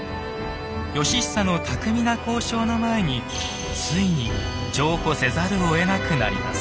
義久の巧みな交渉の前についに譲歩せざるをえなくなります。